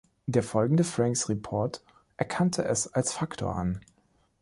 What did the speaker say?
Der folgende Franks Report erkannte es als Faktor an.